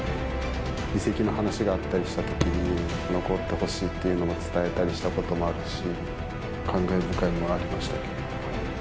移籍の話があったりしたときに、残ってほしいっていうのも伝えたりしたこともあるし、感慨深いものがありました。